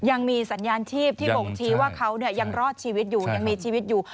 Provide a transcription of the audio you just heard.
ยังมีสัญญาณชีพที่บ่งชี้ว่าเขายังรอดชีวิตอยู่ยังมีชีวิตอยู่